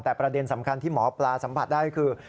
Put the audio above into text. แต่ประเด็นสำคัญที่หมอปลาสัมผัสได้คือ